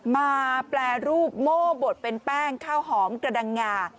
แปรรูปโม่บดเป็นแป้งข้าวหอมกระดังงา